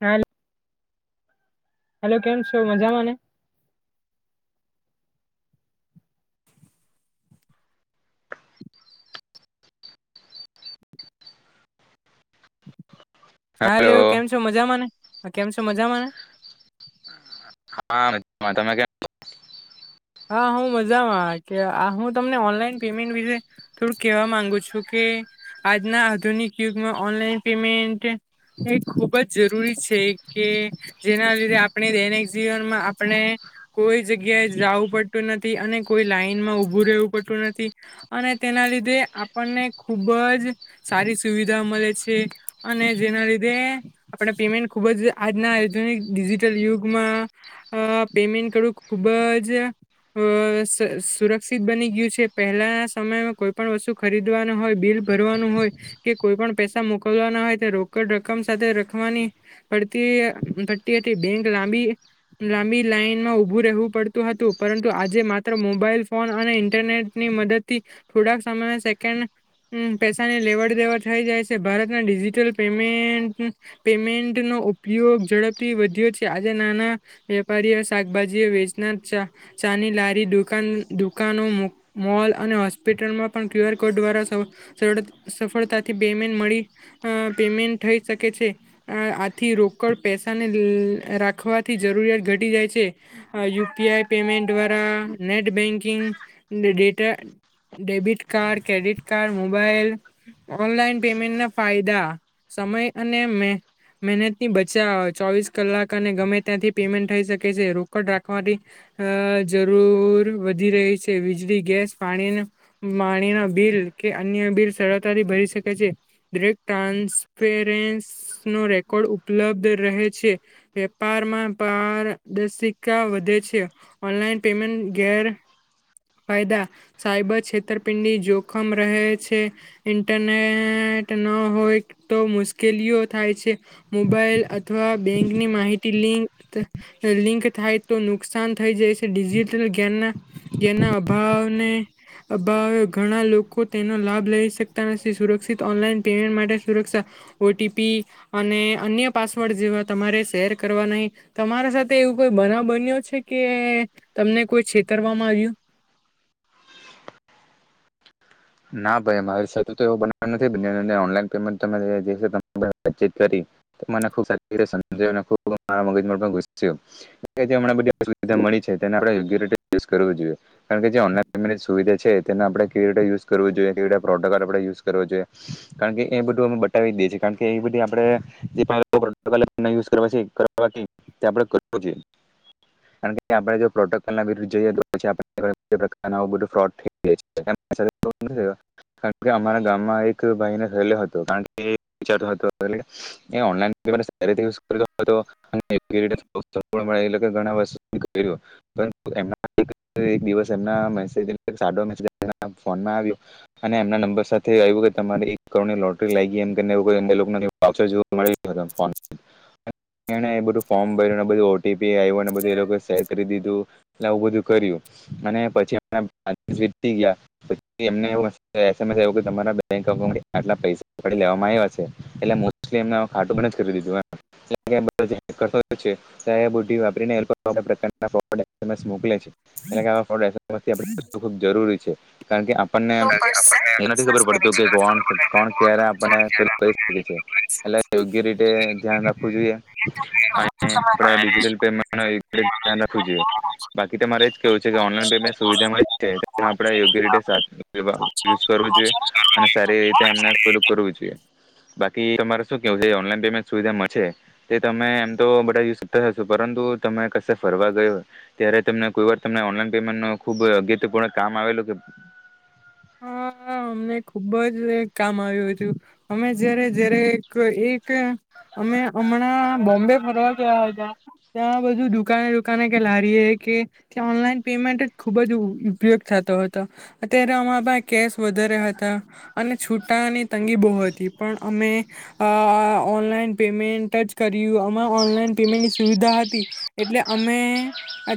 હાલ હેલો કેમ છો મજામાંને હાલો કેમ હલો છો મજામાં ને હ કેમ છો મજામાંને હા [unintelligible] હા હું મજામાં કે આ હું તમને ઓનલાઈન પેમેન્ટ વિશે થોડુંક કહેવા માંગુ છું કે આજના આધુનિક યુગમાં ઓનલાઈન પેમેન્ટ એ ખુબ જ જરૂરી છે કે જેના લીધે આપણે દૈનિક જીવનમાં આપણે કોઈ જગ્યાએ જાઉં પડતું નથી અને કોઈ લાઈનમાં ઉભું રહેવું પડતું નથી અને તેના લીધે આપણને ખુબ જ સારી સુવિધા મળે છે અને જેના લીધે આપણે પેમેન્ટ ખૂબ જ આજના આધુનિક ડિજિટલ યુગમાં અ પેમેન્ટ કરવું ખૂબ જ અ સ સુરક્ષિત બની ગયું છે પહેલાના સમયમાં કોઈ પણ વસ્તુ ખરીદવાના હોય, બિલ ભરવાનું હોય કે કોઈ પણ પૈસા મોકલવાના હોય તે રોકડ રકમ સાથે રખવાની પડતી અમ પડતી હતી બેંક લાંબી લાંબી લાઈનમાં ઉભું રહેવું પડતું હતું. પરંતુ આજે માત્ર મોબાઈલ ફોન અને ઇન્ટરનેટની મદદથી થોડાક સમય સેકન્ડ ઉમ પૈસાની લેવડ દેવડ થઈ જાય છે ભારતના ડિજિટલ પેમેન્ટ પેમેન્ટનો ઉપયોગ ઝડપથી વધ્યો છે આજે નાના વેપારીઓ શાકભાજીઓ વેચનાર ચા ચાની લારી દાન દુકાનો મોલ અને હોસ્પિટલમાં પણ ક્યુ આર કોડ દ્વારા સફળતાથી પેમેન્ટ મળી પેમેન્ટ થઈ શકે છે આથી રોકડ પૈસાને રાખવાથી જરૂરિયાત ઘટી જાય છે યુપીઆઈ [unintelligible] પેમેન્ટ દ્વારા net banking data debit card credit card mobile online payment ના ફાયદા સમય અને મેહ મહેનત ની બચાવ ચોવીસ કલાક અને ગમે ત્યાંથી પેમેન્ટ થઈ શકે છે રોકડ રાખવાથી અ જરૂર વધી રહી છે વીજળી ગેસ પાણી પાણીના બિલ કે અન્ય બિલ સરળતાથી ભરી શકે છે દરેક ટ્રાન્સપેરેસ નો રેકોર્ડ ઉપલબ્ધ રહે છે વેપારમાં પારદર્શિકા વધે છે. ઓનલાઈન પેમેન્ટ ગેર ફાયદા સાયબર છેતરપિંડી જોખમ રહે છે ઇન્ટરનેટ ન હોય તો મુશ્કેલીઓ થાય છે મોબાઈલ અથવા બેંકની માહિતી લિંત લિંક થાય તો નુકસાન થઈ જાય છે ડિજિટલ ગેનમાં જેના અભાવને અભાવે ઘણા લોકો તેનો લાભ લઈ શકતા [inaudible] થી સુરક્ષિત ઓનલાઈન પેમેન્ટ માટે સુરક્ષા ઓટીપી અને અન્ય પાસવર્ડ જેવા તમારે શેર કરવા નહીં તમારા સાથે એવું કોઈ બનાવ બન્યો છે કે, તમને કોઈ છેતરવામાં વ્યું. [unintelligible] જોઈએ પ્રોટોલણે યુઝ કરો જોઈએ કારણ કે એ બધું અ બતાવી દે છીએ કારણ એ બધ આપય જો આપ પ્રોટલ્ધ અમારા ગામમાં એક ભાઈને થયલો હતોણતો [unintelligible] ફોનમાં આવ્યું અને એમના નંબર સાથે આવ્યું કે તમારે એક કરોડની લોટરી લાગ ગઈ એમ બું ફોર્મ ભર્યું. ીને બધું એ લોકો સેર કરી દીધુંું બધું. કર્યું અને પછી વ ગયા. પછ એમ તમારા બેક અઉ આટલા પૈસાડી લેવામાં આવ્યા [unintelligible] મોકલે છે એના ખબ જરૂરી છે. કારણ કે આપણને એ નથી ખબર પડતું કે કોણ કોણ ક્યારે આપણને પેલું કરી શકે છે એટલે યોગ્ય રીતે ધ્યાન રાખવું જોઈએ અને આપણે ડિજિટલ પેમેન્ટ યોગ્ય ધ્યાન રાખવું જોઈએ બાકી તમારે એ જ કેવું છે કે ઓનલાઈન પેમેન્ટ સુવિધા મળી છે તેને આપણે યોગ્ય રીતે [inaudible] યુઝ કરવું જોઈએ અને સારી રીતે એમને પેલું કરવું જોઈએ. બાકી તમારે શું કેવું ઓનલાઈન પેમેન્ટ સુવિધામાં છે તે તમે એમ તો બધા યુતા હશો પરંતુ તમે ક ફરવા ગયો ત્યારે તને કોઈ વાર તને ઓનલાઈન પેમેન્ટ ન ખુબ અગત્યપૂર્ણ કામ આવેલું કે હા અમને ખુબ જ કામ આવ્યું હતું અમે જય્યારે જય્યારે એક અમે હમણાં બોમ્બે ફરવા ગયા હતા ત્યાં બધું દુકાને દુકાને કે લારીએ કે ત્યા ઓનલાઈન પેમેન્ટ જ ખુબ જ ઉપયોગ થતો હતો અત્યારે અ કેશ વધારે હતા અને છૂટાની તંગી બહુ હતી પણ અમે ઓનલાઈન પેમેન્ટ જ કર્યું અમા ઓનલાઈન પેમેન્ટની સુવિધા હતી એટલે અમે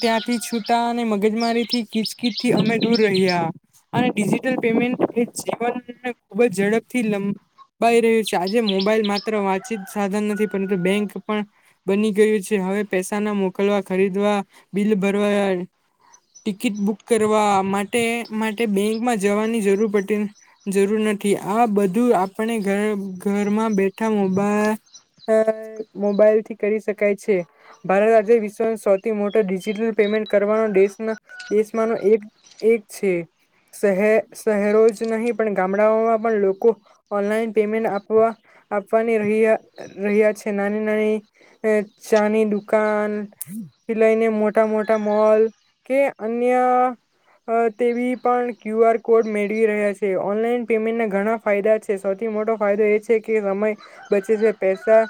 ત્યાંથી છૂટા અને મગજમારીથી કીચકીચથી અમે દૂર રહ્યા અને ટલ પેમેન્ટ એ જીવનને ખુબ જ ઝડપથી લંબાઈ રહ્યું છે આજે મોબાઈલ માત્ર વાતચીત સાધન નથી પરંતુ બેંક પણ બની ગયું છે હવે પૈસા ના મોકલવા ખરીદવા બિલ ભરવા ટિકિટ બુક કરવા માટે માટે બેંક જવાની જરૂર પ જરૂર નથી આ બધું આપણે ઘરમાં બેઠા મોબાઈ મોબાઈલથી કરી શકાય છે ભારત આજે વિશ્વનો સૌથી મોટો ડિજિટલ પેમેન્ટ કરવાનો દેશ દેશમાંનો એક એક છે. શહેર શહેરો જ નહી પણ ગામડાઓમાં પણ લોકો ઓનલાઈન પેમેન્ટ આપવા આપવાની રહ્યા રહ્યા છે નાની નાની ચાની દુકાન થી લઈને મોટા મોટા મોલ કે અન્ય તેવી પણ ક્યુ આર કોડ મેળવી રહ્યા છે ઓનલાઈન પેમેન્ટના ઘણા ફાયદા છે સૌથી મોટો ફાયદો એ છે કે સમય બચે છે પૈસા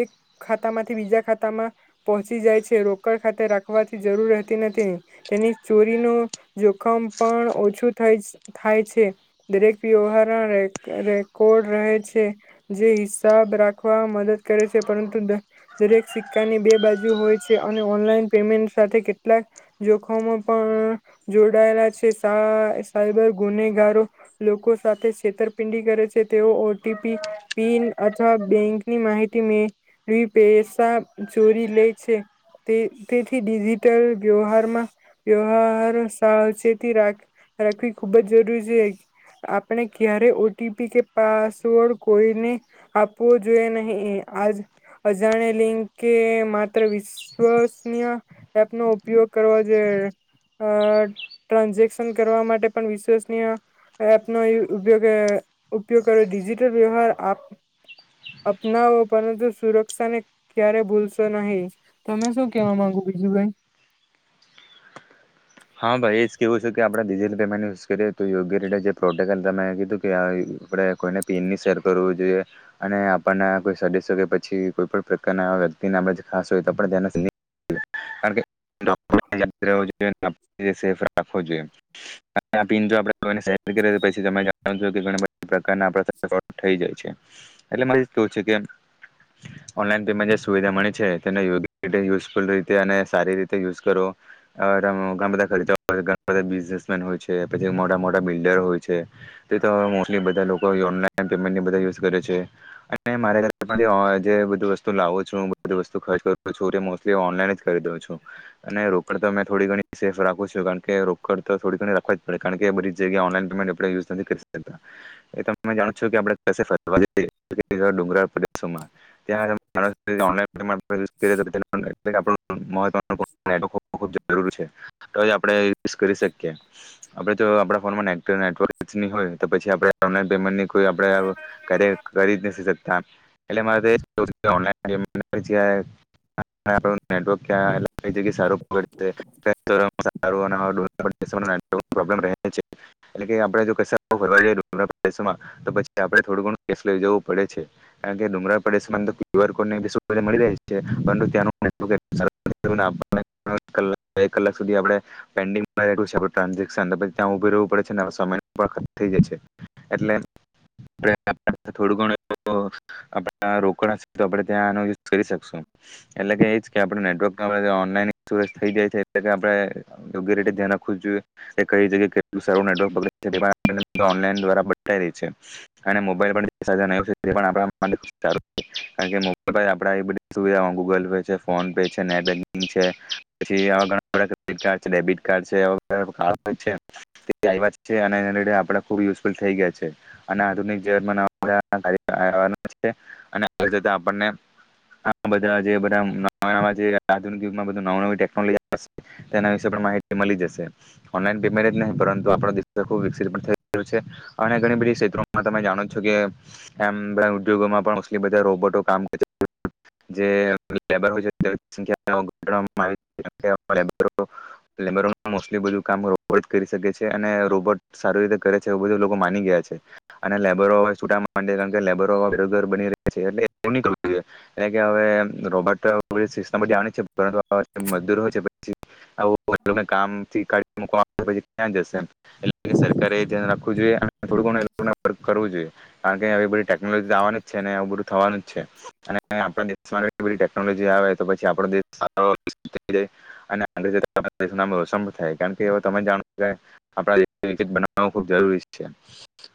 એક ખાતામાંથી બીજા ખાતામાં પહોંચી જાય છે રોકડ ખાતે રાખવાથી જરૂરતી નથી તેની ચોરીનું જોખમ પણ ઓછું થાય થાય છે દરેક વ્યવહારના રેકોર્ડ રહે છે જે હિસાબ રાખવા મદદ કરે છે પરંતુ દરેક સિક્કાની બે બાજુ હોય છે અને ઓનલાઈન પેમેન્ટ સાથે કેટલાક જોખમો પણ સાયબર ગુનેગારો લોકો સાથે છેતરપિંડી કરે છે તેઓ ઓટીપી પિન અથવા બેંકની માહિતી મે પૈસા ચોરી લે છે તે તેથી ડિજિટલ વ્યવહારમાં વ્યવહાર સાવચેતી રાખવી ખુબ જ જરૂરી છે આપણે ક્યારે ઓટીપી કે પાસવર્ડ કોઈને આપવો જોઈએ નહી આ અજાણ લિંક કે માત્ર વિશ્વસનીય એપ નો ઉપયોગ કરો જોઈએ. અ ટ્રાન્ઝેક્શન કરવા માટે પણ વિશ્વસનીય એપનો ઉપયોગ ઉપયોગ કરો ડિજિટલ વ્યવહાર અપનાવો પરંતુ સુરક્ષાને ક્યારે ભૂલશો નહી તમે શું કેવા માંગો બીજું ભાઈ. હા ભાઈ એ જ કેવું છે કે આપણે ડિજિટલ પેમેન્ટ યુઝ કરીએ તો યોગ્ય રીતે જે પ્રોટોકોલ કીધું કે કોઈને પીનની શેર કરવું જોઈએ અને આપણને કોઈ સડીસકે પછી કોઈ પણ પ્રકારના વ્યક્તિને આપ ખાસ હોય તો આપ્યા ધ થ જાય છે એટલે મવું છે ઓનલાન પેમેન્ટ જે સુવિધા મળે છે તેનેગ્યી યુઝફુલ રીતે અને સારી રીતે બન હોય છે પછી મોટા મોટા બિલ્ડર હોય છે કરેસ્ાવ છચ કરું છુ અને રોકડ તો અમે થોડી ઘણી સેફ રાખું છું કારણ કે રોકડ તો થોડીણી રાખવા જ પડે કારણ કે બધી જગ્યાએ ઓનલાન પેમેન્ટ યુઝ કરીકતા તમે જાણો છો કેરુંેશોમાં [inaudible] [inaudible] [inaudible] છે તો આપણે યુઝ કરી શકીએ આપડે તો આપણા ફોનમાં હોય તો પછી પેન્ટ કો કરી જ નથીકતા [unintelligible] [unintelligible] [unintelligible] થઈ જાય છે એલે આપણે યોગ્ય રીતે ધ્યાન રાખવું જોઈએ કે કઈ જગ કેટલું સારું નેટવર્ક દ્વા બ છે અને મોબાઈલધ આપ માટે સારું કારણ કે મોબલ પર આપ બધી સુવિધાઓ ગૂગલ પે છે ફોન પે છે. [unintelligible] જેમાં બધ ન નવી ટેકનોલોજીશે તેના વિશે પણ માહિતી મળી જશે ઓનલાઈન પેમેન્ટ નહીં પરંતુ આપ દબ વિક થઈ્યો છે અને ઘણી બધી ક્ષેત્રોમાં તમે જાણો છો કે એમ બધ ઉદ્યોગોમાં પણલી બા રોબોટોમ જેય. [inaudible] [unintelligible] કરી શકે છે અને રોબોટ સારી રીતે કરે છે બધું લોકો [unintelligible] [unintelligible] ટેકનોલોજીી જવાની છે ને એ થવાનું જ છે અને આપણા દેશમાં કેટલી બધી ટેકનોલોજી એ આવે તો પછી આપણો દેશ સારો વિકસિત થઇ રહે અને [unintelligible] દેશનું નામ રોશન થાય કારણ કે હવે તમે જાણો [unintelligible] આપણા દેશને વિકસિત બનાવો ખૂબ જરૂરી છે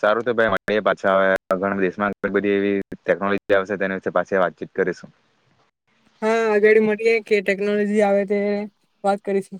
સારુ તો [unintelligible] દેશમાં ઘણી બધી એવી ટેક્નોલોજી આવશે તો એના વિશે પાછી વાતચીત કરીશું [unintelligible] [unintelligible] [inaudible] હા આગળ મળીએ કે ટેકનોલોજી આવે તે વાત કરીશું